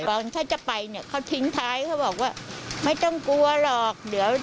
แต่ถ้าเกิดจะไปเนี่ยความถึงท้ายคือไม่ค่อยต้องกลัวหรอก